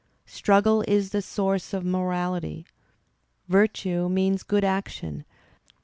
Struggle is the source of morality. Virtue means good action